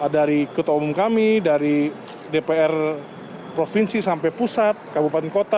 dari ketua umum kami dari dpr provinsi sampai pusat kabupaten kota